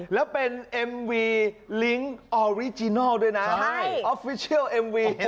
แล้วเป็นเอ็มวีลิงก์ออริจินัลด้วยนะออฟฟิเชียลเอ็มวี